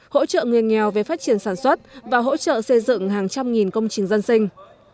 hỗ trợ người nghèo về phát triển sản xuất và hỗ trợ xây dựng hàng trăm nghìn công trình dân sinh